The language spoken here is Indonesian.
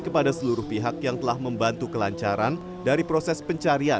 kepada seluruh pihak yang telah membantu kelancaran dari proses pencarian